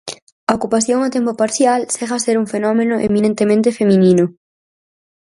A ocupación a tempo parcial segue a ser un fenómeno eminentemente feminino.